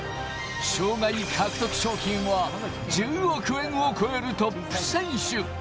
生涯獲得賞金は１０億円を超えるトップ選手。